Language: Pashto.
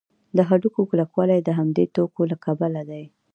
د هډوکو کلکوالی د همدې توکو له کبله دی.